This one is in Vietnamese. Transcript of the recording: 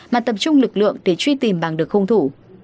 mà tập trung lực lượng để truy tìm bằng được hung thủ